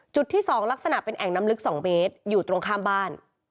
จุดที่๒ลักษณะเป็นแอ่งน้ำลึก๒เมตรอยู่ตรงข้ามบ้าน